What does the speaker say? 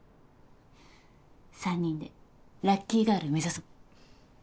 ３人でラッキーガール目指そう。